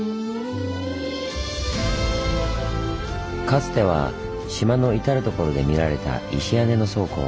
かつては島の至る所で見られた石屋根の倉庫。